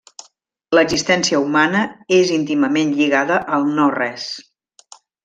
L'existència humana és íntimament lligada al no-res.